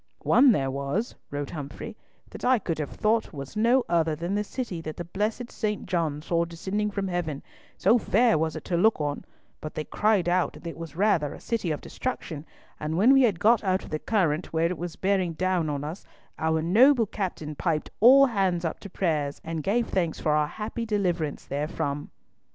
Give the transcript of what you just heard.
"One there was," wrote Humfrey, "that I could have thought was no other than the City that the blessed St. John saw descending from Heaven, so fair was it to look on, but they cried out that it was rather a City of Destruction, and when we had got out of the current where it was bearing down on us, our noble captain piped all hands up to prayers, and gave thanks for our happy deliverance therefrom."